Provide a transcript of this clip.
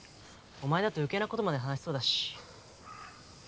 お前だと余計な事まで話しそうだし。